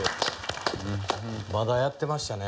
まだやってましたね。